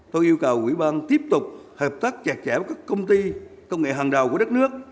tôi yêu cầu quỹ ban tiếp tục hợp tác chặt chẽ với các công ty công nghệ hàng đầu của đất nước